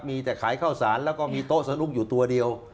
มีแต่ขายข้าวสารแล้วก็มีโต๊ะสนุกอยู่ตัวเดียว